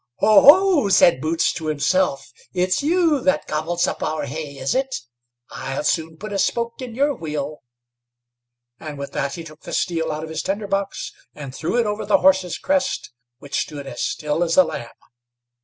"Ho, ho!" said Boots to himself; "it's you that gobbles up our hay, is it? I'll soon put a spoke in your wheel;" and with that he took the steel out of his tinder box, and threw it over the horse's crest, which stood as still as a lamb.